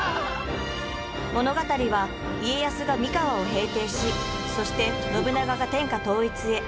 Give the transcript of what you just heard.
物語は家康が三河を平定しそして信長が天下統一へ。